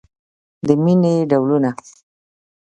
د مینې ډولونه